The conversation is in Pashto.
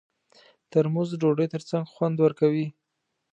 ترموز د ډوډۍ ترڅنګ خوند ورکوي.